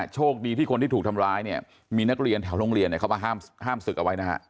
โชคดีที่คนที่ถูกทำร้ายเนี่ยมีนักเรียนแถวโรงเรียนเขามาห้ามศึกเอาไว้นะฮะ